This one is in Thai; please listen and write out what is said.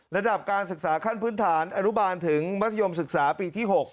ระดับการศึกษาขั้นพื้นฐานอนุบาลถึงมัธยมศึกษาปีที่๖